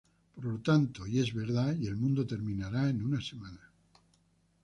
Por lo tanto, Y es verdad, y el mundo terminará en una semana.